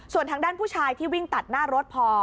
ส่วนทางด้านผู้ชายที่วิ่งตัดหน้ารถพอ